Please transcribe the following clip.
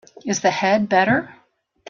Is the head better?